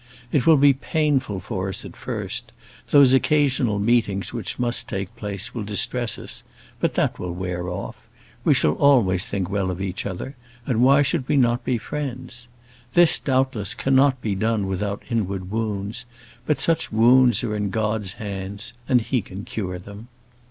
It will be painful for us at first; those occasional meetings which must take place will distress us, but that will wear off. We shall always think well of each other, and why should we not be friends? This, doubtless, cannot be done without inward wounds; but such wounds are in God's hands, and He can cure them.